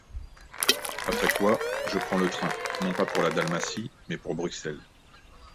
Après quoi, je prends le train, non pas pour la Dalmatie, mais pour Bruxelles.